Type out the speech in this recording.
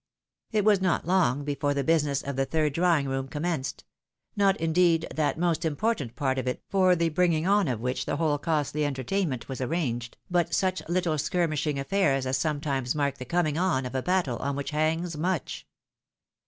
It was not long before the business of the third drawing room commenced ; not, indeed, that most important part of it for the bringing on of which the whole costly entertainment was arranged, but such little skirmishing afiairs as sometimes mark the coming on of a battle on which hangs much.